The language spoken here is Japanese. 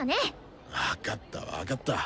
分かった分かった。